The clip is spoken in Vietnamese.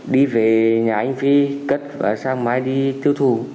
đi về nhà anh phi cất và sang máy đi tiêu thủ